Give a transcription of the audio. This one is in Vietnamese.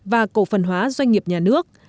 và cầu phần hóa doanh nghiệp nhà nước